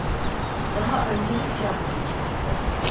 Daha önce hiç yapmadım.